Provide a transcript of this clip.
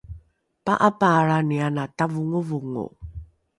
pa’apaalrani ana tavongovongo